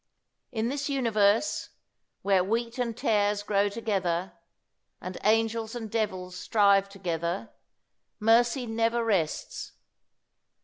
In this universe, where wheat and tares grow together, and angels and devils strive together, mercy never rests.